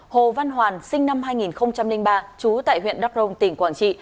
hồ văn hoàn sinh năm hai nghìn ba trú tại huyện đắk rông tỉnh quảng trị